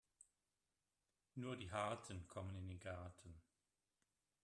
Nur die Harten kommen in den Garten.